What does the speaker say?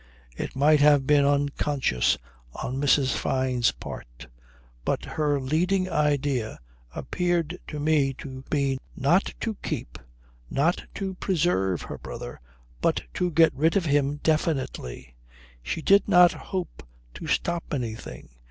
It might have been unconscious on Mrs. Fyne's part, but her leading idea appeared to me to be not to keep, not to preserve her brother, but to get rid of him definitely. She did not hope to stop anything.